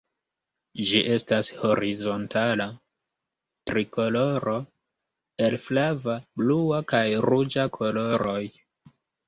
Ĝi estas horizontala trikoloro el flava, blua kaj ruĝa koloroj.